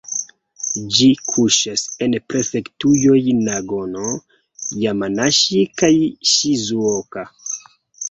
Ĝi kuŝas en prefektujoj Nagano, Jamanaŝi kaj Ŝizuoka.